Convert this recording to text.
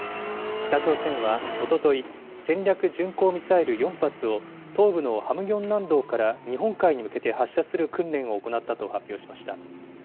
北朝鮮はおととい、戦略巡航ミサイル４発を、東部のハムギョン南道から日本海に向けて発射する訓練を行ったと発表しました。